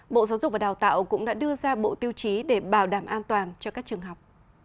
bộ giáo dục và đào tạo cũng đã đưa ra bộ tiêu chí để bảo đảm an toàn cho các trường học